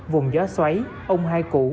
vùng gió xoáy ông hai củ